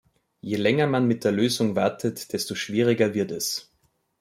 Je länger man mit der Lösung wartet, desto schwieriger wird es.